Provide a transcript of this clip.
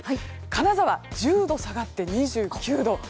金沢、１０度下がって２９度。